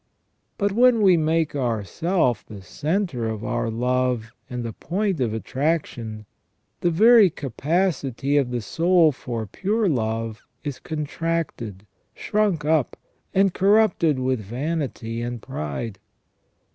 But when we make ourself the centre of our love and the point of attraction, the very capacity of the soul for pure love is contracted, shrunk up, and corrupted with vanity and pride.